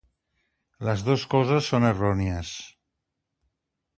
Les dos coses són errònies.